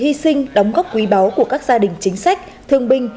đối với sự hy sinh đóng góp quý báu của các gia đình chính sách thương binh